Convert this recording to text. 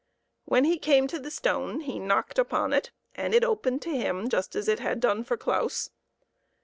When he came to the stone he knocked upon it, and it opened to him just as it had done for Claus.